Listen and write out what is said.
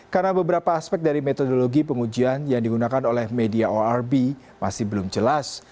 karena beberapa aspek dari metodologi pengujian yang digunakan oleh media orb masih belum jelas